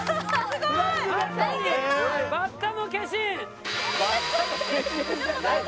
すごい！